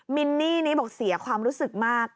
มินนี่นี้บอกเสียความรู้สึกมาก